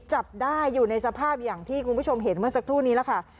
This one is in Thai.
จับได้อยู่ในสภาพอย่างที่คุณผู้ชมเห็นเมื่อสักครู่นี้แหละค่ะ